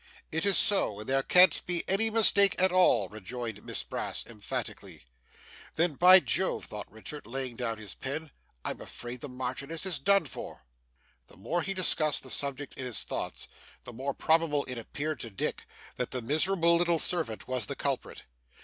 'It is so, and there can't be any mistake at all,' rejoined Miss Brass emphatically. 'Then by Jove,' thought Richard, laying down his pen, 'I am afraid the Marchioness is done for!' The more he discussed the subject in his thoughts, the more probable it appeared to Dick that the miserable little servant was the culprit.